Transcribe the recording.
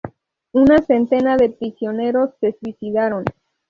Una centena de prisioneros se suicidaron.